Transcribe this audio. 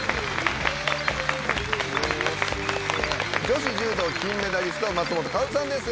女子柔道金メダリスト松本薫さんです。